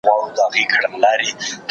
ایا نوي کروندګر انځر پروسس کوي؟